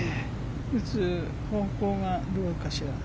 打つ方向がどうかしら。